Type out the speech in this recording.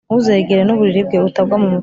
,ntuzegere n’uburiri bwe! Utagwa mumutego